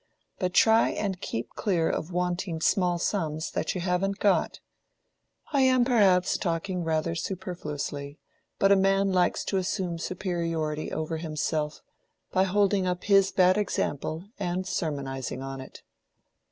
But try and keep clear of wanting small sums that you haven't got. I am perhaps talking rather superfluously; but a man likes to assume superiority over himself, by holding up his bad example and sermonizing on it."